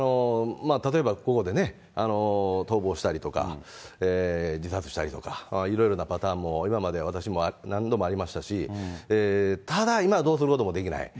例えばここで逃亡したりとか、自殺したりとか、いろいろなパターンも今まで私も何度もありましたし、ただ今、どうすることもできない。